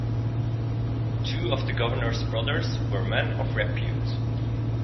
Two of the governor's brothers were men of repute.